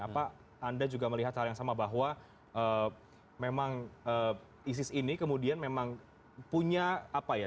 apa anda juga melihat hal yang sama bahwa memang isis ini kemudian memang punya apa ya